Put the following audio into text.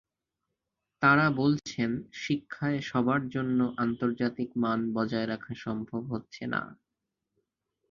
তাঁরা বলছেন, শিক্ষায় সবার জন্য আন্তর্জাতিক মান বজায় রাখা সম্ভব হচ্ছে না।